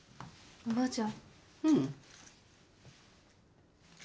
おばあちゃん